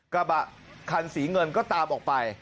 กระบะคันสีเงินก็ตามออกไป